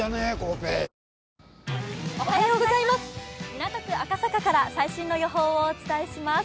港区赤坂から最新の予報をお伝えします。